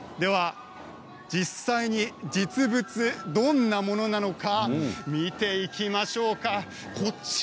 実際に実物、どんなものなのか見ていきましょうか。